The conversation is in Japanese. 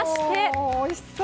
おおおいしそう！